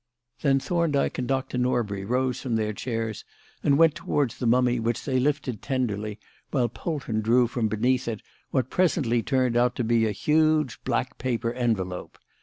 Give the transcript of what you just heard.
Then Thorndyke and Dr. Norbury rose from their chairs and went towards the mummy, which they lifted tenderly while Polton drew from beneath it what presently turned out to be a huge black paper envelope.